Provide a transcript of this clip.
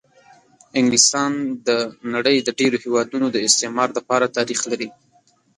انګلستان د د نړۍ د ډېرو هېوادونو د استعمار دپاره تاریخ لري.